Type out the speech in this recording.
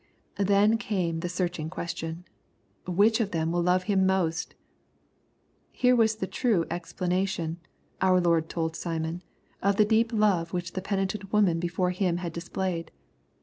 And then came the searching question :" Which of them will love him most ?" Here was the true explanation, our Lord told Simon, of the deep love which the penitent woman before Him had displayed.